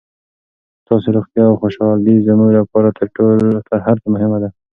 ستاسو روغتیا او خوشحالي زموږ لپاره تر هر څه مهمه ده.